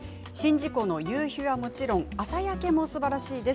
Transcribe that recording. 宍道湖の夕日はもちろん朝焼けもすばらしいです。